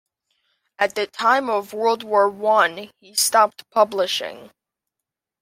At the time of World War One, he stopped publishing.